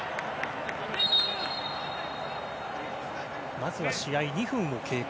まずは試合２分経過。